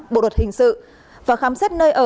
bộ luật hình sự và khám xét nơi ở